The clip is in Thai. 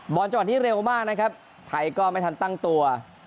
จังหวะนี้เร็วมากนะครับไทยก็ไม่ทันตั้งตัว